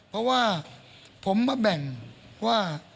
เพราะว่าผมมาแบ่งว่า